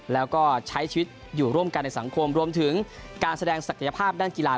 แล้วก็ใช้ชีวิตอยู่ร่วมกันในสังคมรวมถึงการแสดงศักยภาพด้านกีฬา